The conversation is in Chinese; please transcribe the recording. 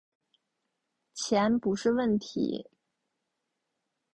钱不是问题